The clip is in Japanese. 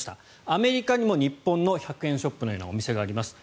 アメリカにも日本の１００円ショップのようなお店があります。